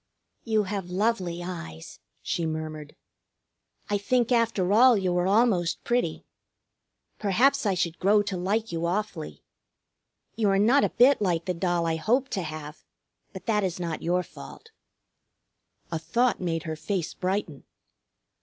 "You have lovely eyes," she murmured. "I think after all you are almost pretty. Perhaps I should grow to like you awfully. You are not a bit like the doll I hoped to have; but that is not your fault." A thought made her face brighten.